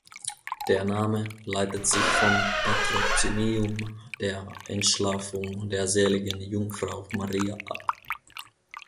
Der Name leitet sich vom Patrozinium der Entschlafung der seligen Jungfrau Maria ab.